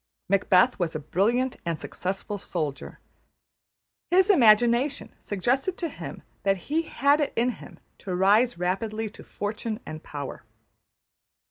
Macbeth was a brilliant and successful soldier; his imagination suggested to him that he had it in him to rise rapidly to fortune and power.